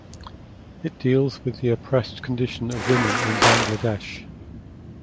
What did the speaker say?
It deals with the oppressed condition of women in Bangladesh.